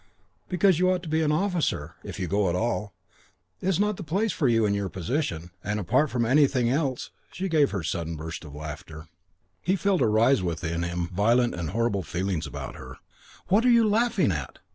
"Because you ought to be an officer, if you go at all. It's not the place for you in your position. And apart from anything else " She gave her sudden burst of laughter. He felt arise within him violent and horrible feelings about her. "What are you laughing at?"